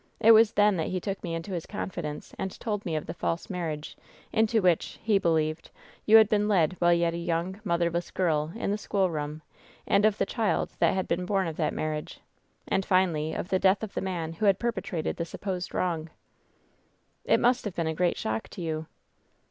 It was then that he took me into his confidence and told me of the false marriasre v.* into which — ^he believed — you had been led while yet a young, motherless girl in the schoolroom, and of the child that had been bom of that marriage, and finally of the death of the man who had perpetrated the sup posed wrong." "It must have been a great shock to you."